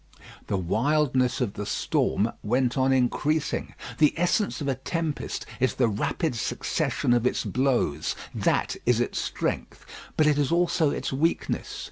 The wildness of the storm went on increasing. The essence of a tempest is the rapid succession of its blows. That is its strength; but it is also its weakness.